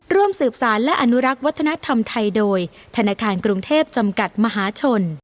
ร่วมสืบสารและอนุรักษ์วัฒนธรรมไทยโดยธนาคารกรุงเทพจำกัดมหาชน